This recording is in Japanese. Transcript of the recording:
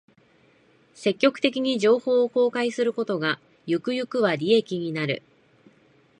積極的に情報を公開することが、ゆくゆくは利益になる